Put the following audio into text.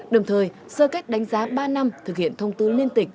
đồng thời sơ cách đánh giá ba năm thực hiện thông tư liên tịch